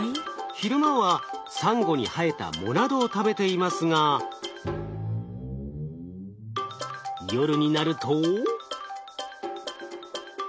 昼間はサンゴに生えた藻などを食べていますが夜になると。